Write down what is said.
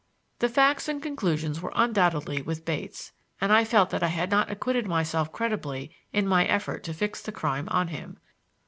The facts and conclusions were undoubtedly with Bates, and I felt that I had not acquitted myself creditably in my effort to fix the crime on him.